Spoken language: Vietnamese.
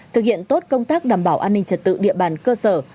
thực hiện tốt công tác đảm bảo an ninh trật tự địa bàn cơ sở